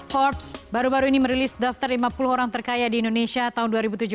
forbes baru baru ini merilis daftar lima puluh orang terkaya di indonesia tahun dua ribu tujuh belas